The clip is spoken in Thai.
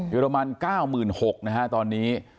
อรมัน๙๖๐๐นะฮะตอนนี้